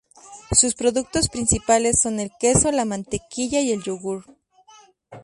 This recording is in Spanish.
Sus productos principales son el queso, la mantequilla y el yogurt.